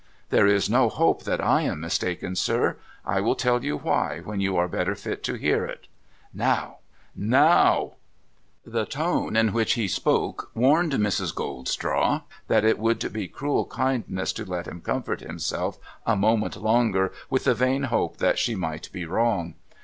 ' There is no hope that I am mistaken, sir. I will tell you why, when you are better fit to hear it.' ' Now ! now !' The tone in which he spoke warned Mrs. Goldstraw that it would be cruel kindness to let him comfort himself a moment longer with the vain hope that she might be wrong.